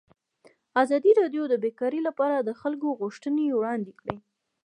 ازادي راډیو د بیکاري لپاره د خلکو غوښتنې وړاندې کړي.